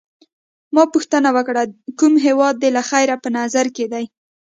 ما پوښتنه وکړه: کوم هیواد دي له خیره په نظر کي دی؟